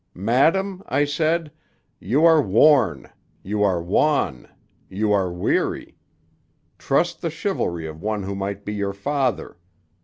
'Madam,' I said, 'you are worn. You are wan. You are weary. Trust the chivalry of one who might be your father.